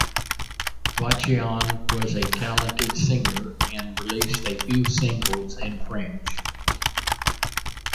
Vachon was a talented singer and released a few singles in French.